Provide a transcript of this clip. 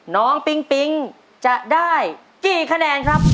ปิ๊งปิ๊งจะได้กี่คะแนนครับ